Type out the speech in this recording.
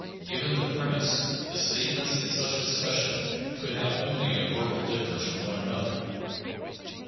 Given the premise, the statements in such a discussion could have only a verbal difference from one another.